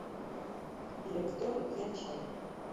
Director: Ian Sharp.